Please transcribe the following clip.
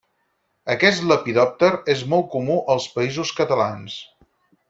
Aquest lepidòpter és molt comú als Països Catalans.